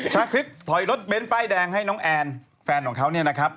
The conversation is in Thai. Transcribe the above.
ชาคริสถอยรถเบ้นป้ายแดงให้น้องแอนแฟนของเขาเนี่ยนะครับ